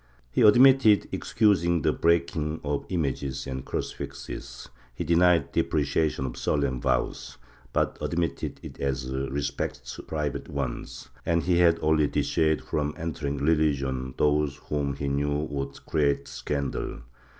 He admitted excusing the breaking of images and crucifixes; he denied depreciation of solemn vows, but admitted it as respects private ones, and he had only dissuaded from entering religion those whom he knew would create scandal.